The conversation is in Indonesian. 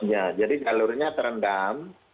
ya jadi jalurnya terendam